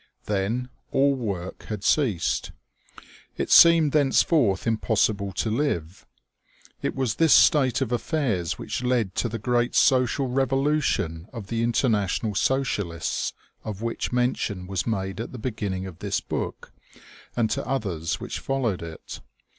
Then, all work had ceased. It seemed thence forth impossible to live. It was this state of affairs which led to the great social revolution of the international socialists, of which mention was made at the beginning of this book, and to others which followed it.